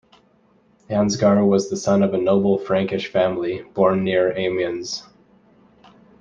Ansgar was the son of a noble Frankish family, born near Amiens.